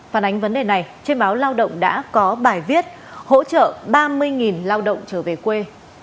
phản ánh vấn đề này trên báo lao động đã có bài viết hỗ trợ ba mươi lao động trở về quê